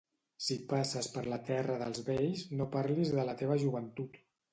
Si passes per la terra dels vells no parlis de la teva joventut.